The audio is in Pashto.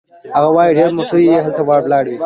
هغه وايي: "ډېرې موټرې چې هلته ولاړې وې